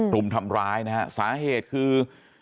รุมทำร้ายนะฮะสาเหตุคือ